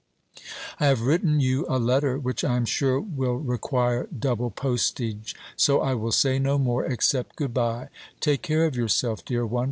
I have written you a letter which I am sure will require double postage; so I will say no more except goodbye. Take care of yourself, dear one.